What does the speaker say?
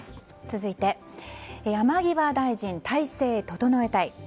続いて、山際大臣体制整えたい。